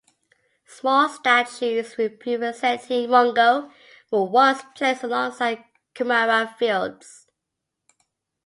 Small statues representing Rongo were once placed alongside kumara fields.